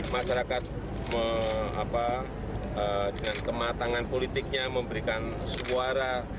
masyarakat dengan kematangan politiknya memberikan suara